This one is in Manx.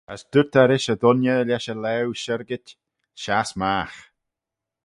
As dooyrt eh rish y dooinney lesh y laue shyrgit, Shass magh.